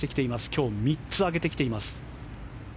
今日３つ上げてきています。